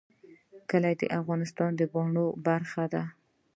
کلي د افغانستان د بڼوالۍ برخه ده.